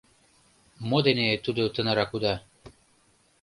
— Мо дене тудо тынарак уда?